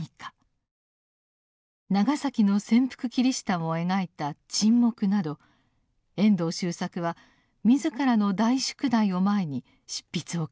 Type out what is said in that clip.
長崎の潜伏キリシタンを描いた「沈黙」など遠藤周作は自らの「大宿題」を前に執筆を重ねました。